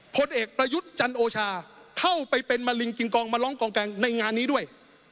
ผลเอกประยุทธ์จันโอชาเข้าไปเป็นมะลิงกิงกองมาร้องกองกลางในงานนี้ด้วย